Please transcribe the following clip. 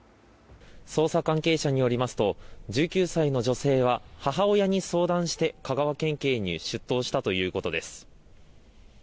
捜査関係者によりますと１９歳の女性は母親に相談して香川県警に出頭したということです。